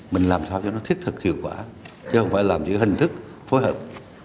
mình làm sao cho nó thiết thực hiệu quả chứ không phải làm những hình thức phối hợp